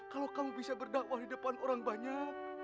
kalau kamu bisa berdakwah di depan orang banyak